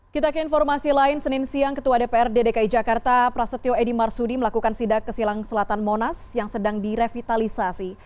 kita ke informasi lain senin siang ketua dprd dki jakarta prasetyo edi marsudi melakukan sidak ke silang selatan monas yang sedang direvitalisasi